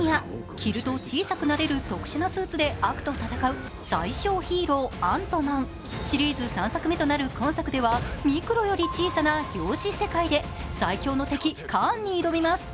着ると小さくなれる特殊なスーツで悪と戦う最小ヒーロー・アントマンシリーズ３作目となる今作ではミクロより小さな量子世界で最強の敵・カーンに挑みます。